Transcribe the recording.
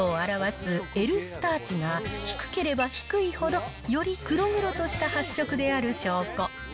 明度を表すＬスター値が低ければ低いほど、より黒々とした発色である証拠。